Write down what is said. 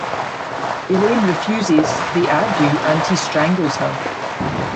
Elaine refuses, they argue, and he strangles her.